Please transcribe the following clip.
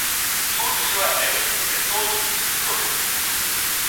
除此之外每位主角都有自己的特殊技能。